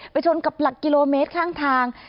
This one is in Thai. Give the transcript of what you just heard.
ชนกับหลักกิโลเมตรข้างทาง